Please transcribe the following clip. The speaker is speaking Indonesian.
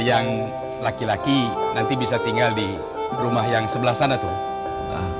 dan yang laki laki nanti bisa tinggal di rumah yang sebelah sana tuh